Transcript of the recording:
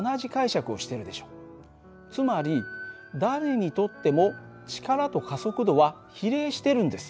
つまり誰にとっても力と加速度は比例してるんです。